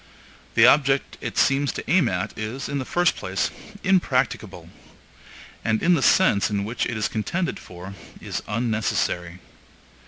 The object it seems to aim at is, in the first place, impracticable, and in the sense in which it is contended for, is unnecessary.